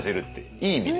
いい意味で。